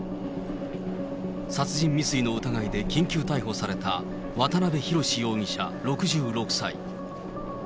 殺人未遂の疑いで緊急逮捕された、渡辺宏容疑者６６歳。